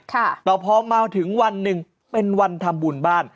แต่พอมาถึงวันหนึ่งเป็นวันทำบุญบ้าน